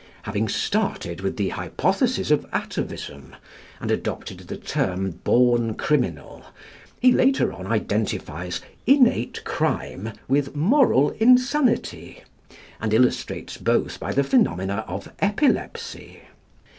Having started with the hypothesis of atavism, and adopted the term "born criminal," he later on identifies "innate crime" with "moral insanity," and illustrates both by the phenomena of epilepsy.